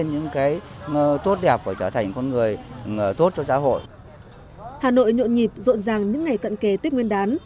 hà nội nhộn nhịp rộn ràng những ngày cận kề tết nguyên đán